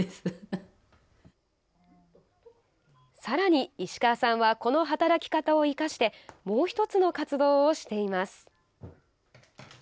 さらに、石川さんはこの働き方を生かしてもう１つの活動をしています。